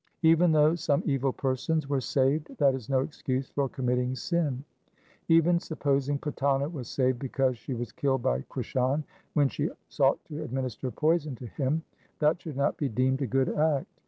2 Even though some evil persons were saved, that is no excuse for committing sin :— Even supposing Putana was saved because she was killed by Krishan when she sought to administer poison to him, that should not be deemed a good act.